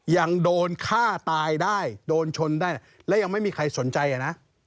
ยังโดนฆ่าตายได้โดนชนได้และยังไม่มีใครสนใจอ่ะนะ